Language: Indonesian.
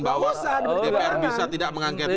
bahwa dpr bisa tidak mengangket